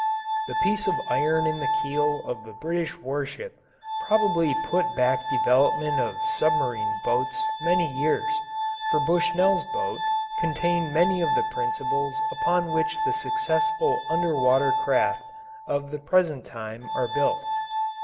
The piece of iron in the keel of the British warship probably put back development of submarine boats many years, for Bushnell's boat contained many of the principles upon which the successful under water craft of the present time are built.